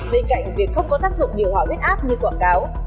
bên cạnh việc không có tác dụng điều hòa huyết áp như quảng cáo